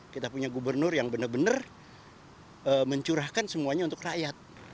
kita punya gubernur yang benar benar mencurahkan semuanya untuk rakyat